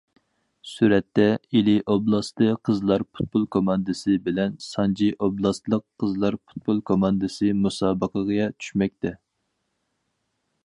سۈرەتتە: ئىلى ئوبلاستى قىزلار پۇتبول كوماندىسى بىلەن سانجى ئوبلاستلىق قىزلار پۇتبول كوماندىسى مۇسابىقىگە چۈشمەكتە.